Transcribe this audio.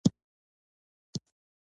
زما سترګې خوږیږي